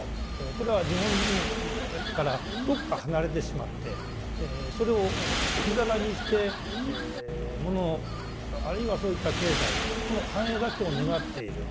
これは日本人のとこからどっか離れてしまってそれを置き去りにしてものあるいはそういった経済この繁栄だけを願っている。